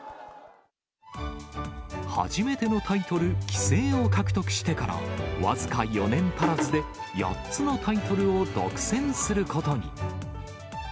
初めてのタイトル、棋聖を獲得してから僅か４年足らずで、８つのタイトルを独占することに。